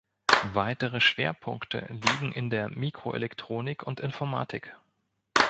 Weitere Schwerpunkte liegen in der Mikroelektronik und Informatik.